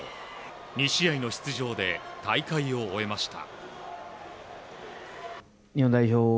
２試合の出場で大会を終えました。